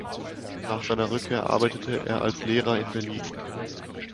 Nach seiner Rückkehr arbeitete er als Lehrer in Berlin.